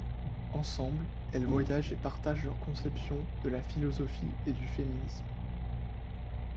Ensemble, elles voyagent et partagent leur conception de la philosophie et du féminisme.